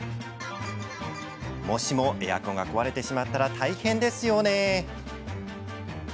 もしも、エアコンが壊れてしまったら、大変ですよね。